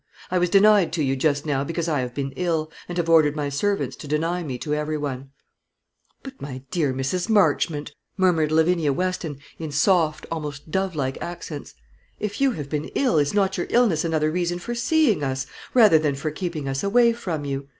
I was denied to you just now because I have been ill, and have ordered my servants to deny me to every one." "But, my dear Mrs. Marchmont," murmured Lavinia Weston in soft, almost dove like accents, "if you have been ill, is not your illness another reason for seeing us, rather than for keeping us away from you?